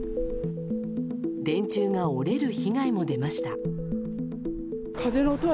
電柱が折れる被害も出ました。